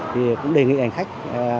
thì cũng đề nghị hành khách